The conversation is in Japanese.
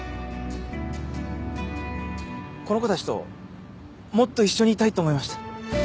この子たちともっと一緒にいたいと思いました。